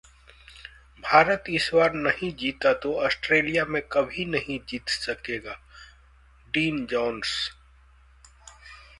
भारत इस बार नहीं जीता तो ऑस्ट्रेलिया में कभी नहीं जीत सकेगा: डीन जोंस